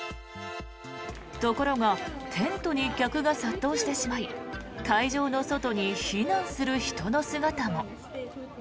ところがテントに客が殺到してしまい会場の外に避難する人の姿も。